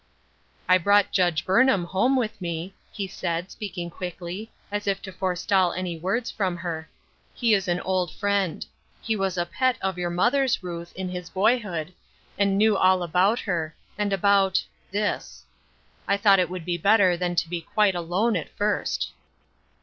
I brought Judge Burnham home with me,' he said, speaking quickly, as if to forestall anj words from her. " He is an old friend. He was a pet of your mother's, Ruth, in his boyhood, and he knew all about her, and about this. 18 Ruth Ershine's Crosses, I thought it would be better than to be quite alone at first."